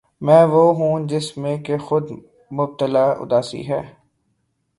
میں وہ ہوں جس میں کہ خود مبتلا اُداسی ہے